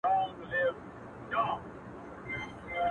همېشه ورسره تلله په ښكارونو-